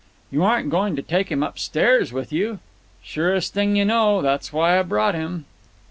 "You aren't going to take him upstairs with you?" "Surest thing you know. That's why I brought him."